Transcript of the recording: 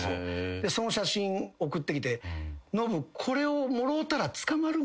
その写真送ってきて「ノブ」